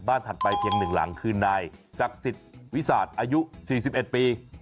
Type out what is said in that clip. บ้านถัดไปเพียงหนึ่งหลังคือนายศักดิ์ศิษย์วิสาทอายุ๔๑ปี